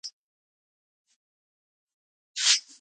اې له خاورو جوړه، په پيسو پسې ناجوړه !